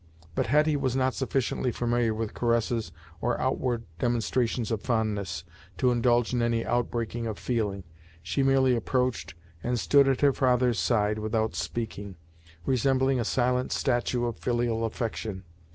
But Hetty was not sufficiently familiar with caresses or outward demonstrations of fondness, to indulge in any outbreaking of feeling. She merely approached and stood at her father's side without speaking, resembling a silent statue of filial affection.